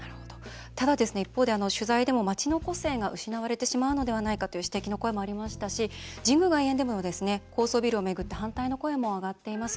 ただ一方で、取材でも街の個性が失われてしまうのではないかという指摘の声もありましたし神宮外苑でも高層ビルを巡って反対の声も上がっています。